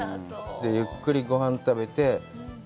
ゆっくりごはん食べて。